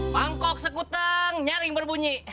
pangkok sekuteng nyaring berbunyi